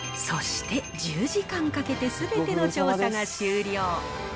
そして、１０時間かけてすべての調査が終了。